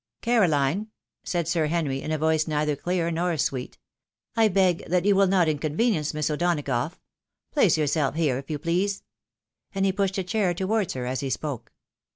"Carohne!" said Sir Henry, in a voice neither clear nor sweet, " I beg that you will not inconvenience Miss O'Dona gough ; place yourself here, if you please ;" and he pushed a cha, ir towards her as he spoke.